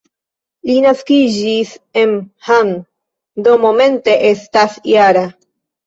Li naskiĝis en Hamm, do momente estas -jara.